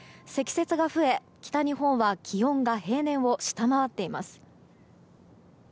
積雪が増え、北日本は気温が平年を下回っています。